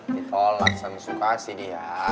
ditolak sama sukasi dia